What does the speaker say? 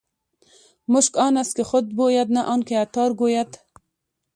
مشک آن است که خود بوید نه آن که عطار ګوید.